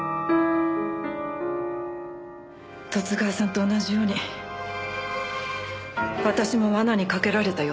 十津川さんと同じように私も罠にかけられたようです。